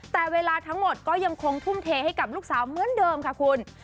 แต่เวลาทั้งหมดก็ยังคงทุ่มเทให้กับลูกสาวเหมือนเดิมค่ะคุณ